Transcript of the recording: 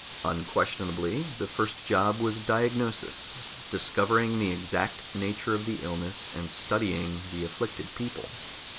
Unquestionably the first job was diagnosis, discovering the exact nature of the illness and studying the afflicted people.